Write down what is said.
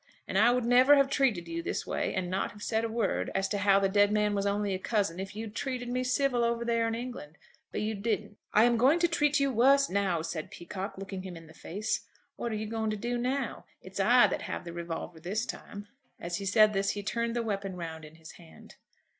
And I would never have treated you this way, and not have said a word as to how the dead man was only a cousin, if you'd treated me civil over there in England. But you didn't." "I am going to treat you worse now," said Peacocke, looking him in the face. "What are you going to do now? It's I that have the revolver this time." As he said this he turned the weapon round in his hand.